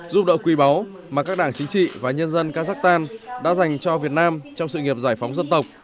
giúp đỡ quý báu mà các đảng chính trị và nhân dân kazakhstan đã dành cho việt nam trong sự nghiệp giải phóng dân tộc